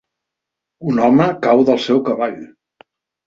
Un home cau del seu cavall.